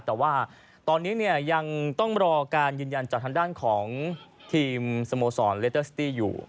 แต่ว่าตอนนี้เนี่ยยังต้องรอการยืนยันจากทางด้านของทีมสโมสรเลเตอร์สตี้อยู่